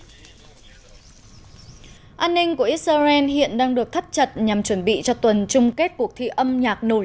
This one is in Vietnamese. an ninh của israel hiện đang được thắt chặt nhằm chuẩn bị cho tuần chung kết cuộc thi âm nhạc nổi